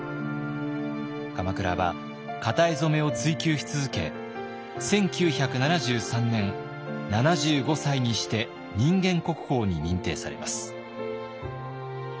鎌倉は型絵染を追究し続け１９７３年７５歳にして人間国宝に認定されます。